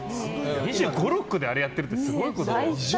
２５２６であれやってるってすごいですね。